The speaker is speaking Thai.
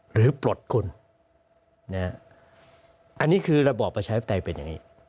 หรือปลดคุณอันนี้คือระบบภาคไทยเป็นอย่างนี้